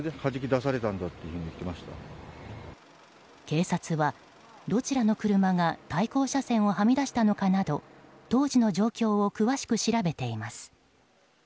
警察はどちらの車が対向車線をはみ出したのかなど当時の状況を詳しく調べています。